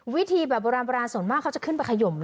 วิธีแบบโบราณส่วนมากเขาจะขึ้นไปขยม